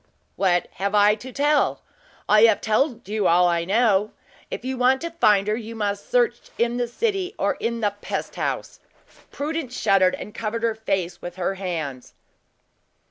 "What have I to tell? I have told you all I know. If you want to find her, you must search in the city or in the pest house!" Prudence shuddered, and covered her face with her hands.